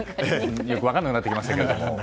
よく分からなくなってきましたけども。